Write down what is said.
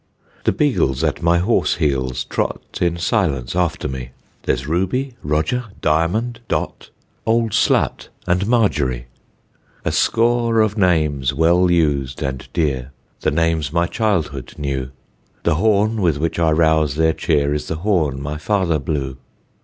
The beagles at my horse heels trot, In silence after me; There's Ruby, Roger, Diamond, Dot, Old Slut and Margery, A score of names well used, and dear, The names my childhood knew; The horn, with which I rouse their cheer, Is the horn my father blew.